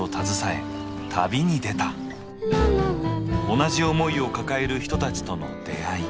同じ思いを抱える人たちとの出会い。